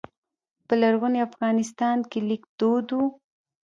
په لرغوني افغانستان کې لیک دود و